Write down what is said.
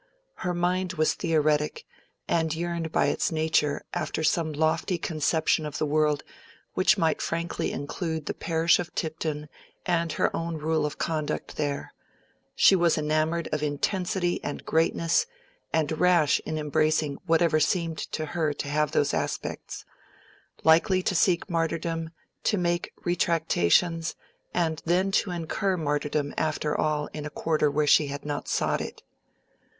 Her mind was theoretic, and yearned by its nature after some lofty conception of the world which might frankly include the parish of Tipton and her own rule of conduct there; she was enamoured of intensity and greatness, and rash in embracing whatever seemed to her to have those aspects; likely to seek martyrdom, to make retractations, and then to incur martyrdom after all in a quarter where she had not sought it.